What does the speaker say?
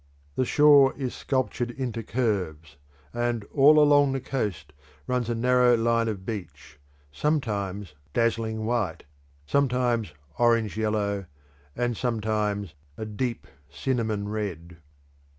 The shore is sculptured into curves; and all along the coast runs a narrow line of beach, sometimes dazzling white, sometimes orange yellow, and sometimes a deep cinnamon red.